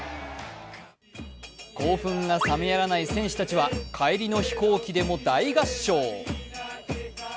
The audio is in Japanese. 興奮が覚めやらない選手たちは帰りの飛行機でも大合唱。